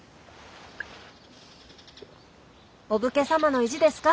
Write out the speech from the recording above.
お武家様の意地ですか。